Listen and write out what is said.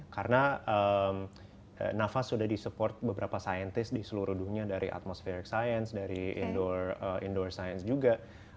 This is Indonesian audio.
karena nafas sudah di support beberapa saintis di seluruh dunia dari atmospheric science dari indoor science juga